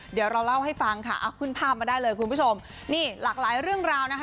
เดี๋ยวเราเล่าให้ฟังค่ะเอาขึ้นภาพมาได้เลยคุณผู้ชมนี่หลากหลายเรื่องราวนะคะ